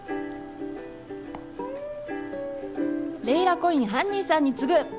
「レイラコイン犯人さんに告ぐ！！」